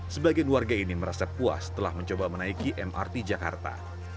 sebagian warga ini merasa puas setelah mencoba menaiki mrt jakarta